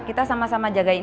kita sama sama jagain